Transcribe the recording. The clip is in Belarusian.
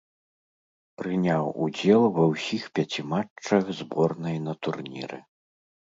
Прыняў удзел ва ўсіх пяці матчах зборнай на турніры.